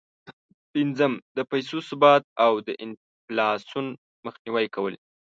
پنځم: د پیسو ثبات او د انفلاسون مخنیوی کول.